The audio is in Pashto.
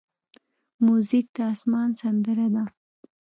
موزیک د آسمان سندره ده.